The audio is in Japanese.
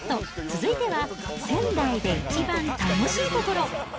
続いては、仙台で一番楽しい所。